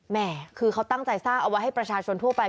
แม่คือเขาตั้งใจสร้างเอาไว้ให้ประชาชนทั่วไป